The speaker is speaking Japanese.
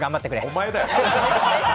お前だよ！